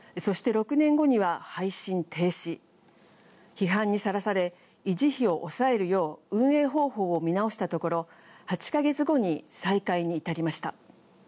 批判にさらされ維持費を抑えるよう運営方法を見直したところ８か月後に再開に至りました。